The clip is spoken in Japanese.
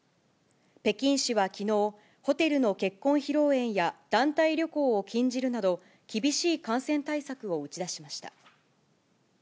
北京市はきのう、ホテルの結婚披露宴や団体旅行を禁じるなど、厳しい感染対策を打ち出しました。